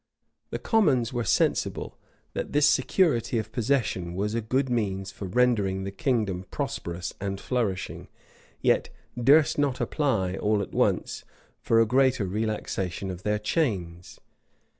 [] The commons were sensible, that this security of possession was a good means for rendering the kingdom prosperous and flourishing; yet durst not apply, all at once, for a greater relaxation of their chains.